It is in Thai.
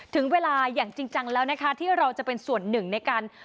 ถึงเวลาอย่างจริงจังแล้วนะคะที่เราจะเป็นส่วนหนึ่งในการ